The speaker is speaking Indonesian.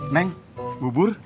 meng bu bur